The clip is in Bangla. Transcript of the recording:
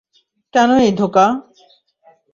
কেন এই ধোকা?